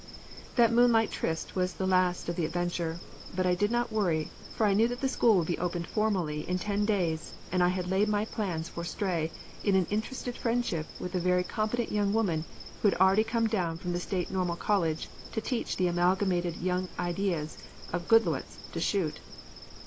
That moonlight tryst was the last of the adventure, but I did not worry, for I knew that the school would be opened formally in ten days, and I had laid my plans for Stray in an interested friendship with the very competent young woman who had already come down from the state normal college to teach the amalgamated young ideas of Goodloets to shoot.